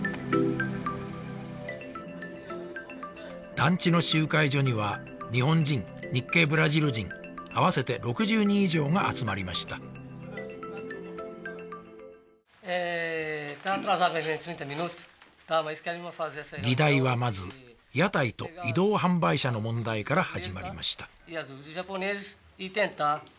団地の集会所には日本人日系ブラジル人合わせて６０人以上が集まりました議題はまず屋台と移動販売車の問題から始まりました